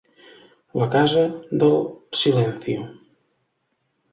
La casa del silencio.